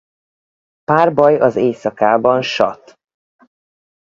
Párbaj az éjszakában sat.